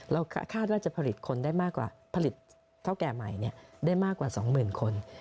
เราคาดว่าจะผลิตคนได้มากกว่าผลิตเท่าแก่ใหม่เนี้ยได้มากกว่าสองหมื่นคน